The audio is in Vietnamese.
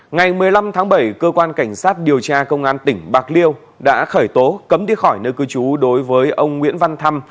ngày một mươi năm tháng bảy cơ quan cảnh sát điều tra công an tỉnh bạc liêu đã khởi tố cấm đi khỏi nơi cư trú đối với ông nguyễn văn thăm